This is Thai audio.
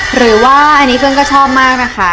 หรือว่าอันนี้ก็ชอบมากนะคะ